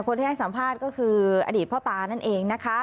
ให้สัมภาษณ์ก็คืออดีตพ่อตานั่นเองนะคะ